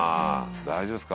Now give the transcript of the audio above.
大丈夫ですか？